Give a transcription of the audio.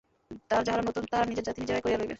আর যাহারা নূতন, তাহারা নিজের জাতি নিজেরাই করিয়া লইবে।